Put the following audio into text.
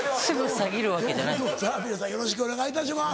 さぁ皆さんよろしくお願いいたします。